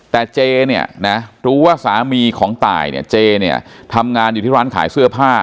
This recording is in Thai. แต่เจเนี่ยนะรู้ว่าสามีของตายเนี่ยเจเนี่ยทำงานอยู่ที่ร้านขายเสื้อผ้า